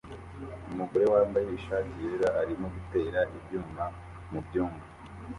Umugore wambaye ishati yera arimo gutera ibyuma mubyumba